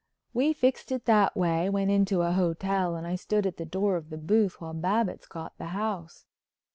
We fixed it that way, went into a hotel, and I stood at the door of the booth while Babbitts got the house.